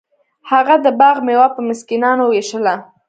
هغه د باغ میوه په مسکینانو ویشله.